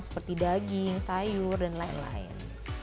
seperti daging sayur dan lain lain